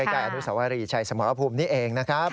อนุสวรีชัยสมรภูมินี่เองนะครับ